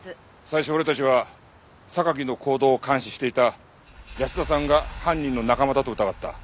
最初俺たちは榊の行動を監視していた保田さんが犯人の仲間だと疑った。